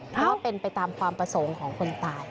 เพราะว่าเป็นไปตามความประสงค์ของคนตาย